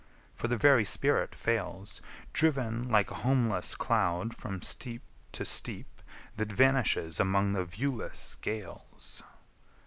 For the very spirit fails, Driven like a homeless cloud from steep to steep That vanishes among the viewless gales!